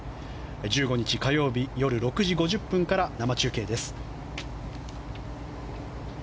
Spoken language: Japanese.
１５日火曜日夜６時５０分から生中継です。